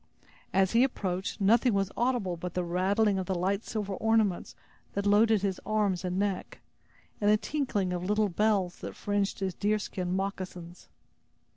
As he approached, nothing was audible but the rattling of the light silver ornaments that loaded his arms and neck, and the tinkling of the little bells that fringed his deerskin moccasins.